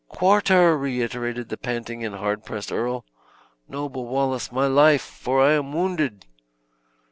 "Quarter!" reiterated the panting and hard pressed earl. "Noble Wallace, my life! For I am wounded."